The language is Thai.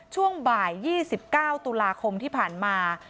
ช่วงบ่าย๒๙ตุลาคมที่ผ่านมา